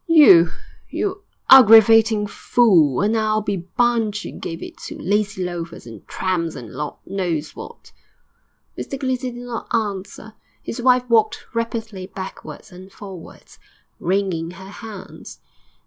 'You you aggravating fool! And I'll be bound you gave it to lazy loafers and tramps and Lord knows what!' Mr Clinton did not answer; his wife walked rapidly backwards and forwards, wringing her hands.